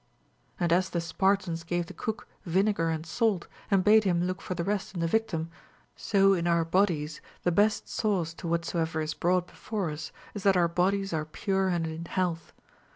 12. And as the Spartans gave the cook vinegar and salt, and bade him look for the rest in the victim, so in our bodies, the best sauce to whatsoever is brought before us is that our bodies are pure and in health.